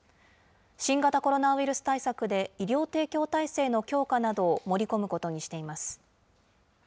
新型コロナウイルス対策で医療提供体制の強化などを盛り込むことにしています。